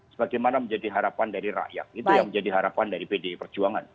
sebagaimana menjadi harapan dari rakyat itu yang menjadi harapan dari pdi perjuangan